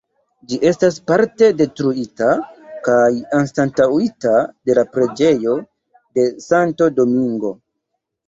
Ĝi estas parte detruita kaj anstataŭita de la preĝejo de Santo Domingo.